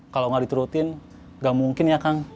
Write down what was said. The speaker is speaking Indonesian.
kalau enggak diterutin enggak mungkin ya kang